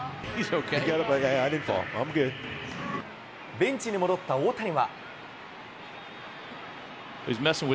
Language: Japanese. ベンチに戻った大谷は。